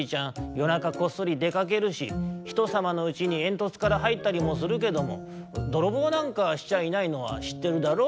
なかこっそりでかけるしひとさまのうちにえんとつからはいったりもするけどもどろぼうなんかしちゃいないのはしってるだろう？